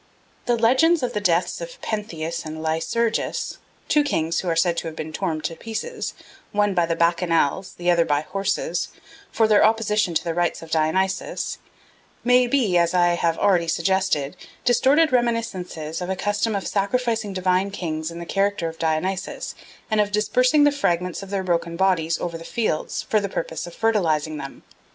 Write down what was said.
The legends of the deaths of Pentheus and Lycurgus, two kings who are said to have been torn to pieces, the one by Bacchanals, the other by horses, for their opposition to the rites of Dionysus, may be, as I have already suggested, distorted reminiscences of a custom of sacrificing divine kings in the character of Dionysus and of dispersing the fragments of their broken bodies over the fields for the purpose of fertilising them.